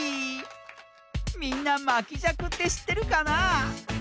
みんなまきじゃくってしってるかな？